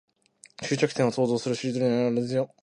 終着点を想像する。しりとりのように思い浮かんだ言葉をつなげていく。